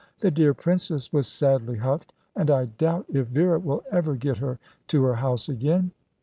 The dear Princess was sadly huffed; and I doubt if Vera will ever get her to her house again."